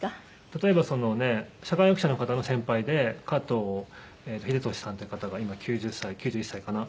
例えば社会学者の方の先輩で加藤秀俊さんっていう方が今９０歳９１歳かな。